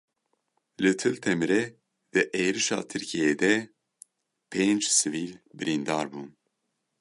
Li Til Temirê di êrişa Tirkiyeyê de pênc sivîl birîndar bûn.